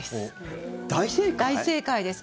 大正解です。